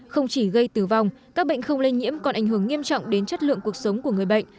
không chỉ gây tử vong các bệnh không lây nhiễm còn ảnh hưởng nghiêm trọng đến chất lượng cuộc sống của người bệnh